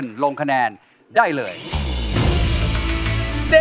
ยังเพราะความสำคัญ